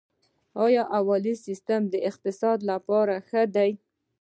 آیا حواله سیستم د اقتصاد لپاره ښه دی؟